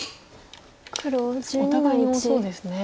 お互いに多そうですね。